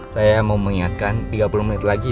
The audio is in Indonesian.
saya mau mengingatkan tiga puluh menit lagi